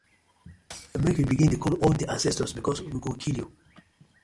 Mek yu begin de call all de ancestors because we go kill yu.